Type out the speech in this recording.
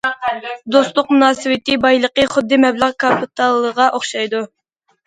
دوستلۇق مۇناسىۋىتى بايلىقى خۇددى مەبلەغ كاپىتالىغا ئوخشايدۇ.